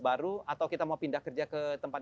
baru atau kita mau pindah kerja ke tempat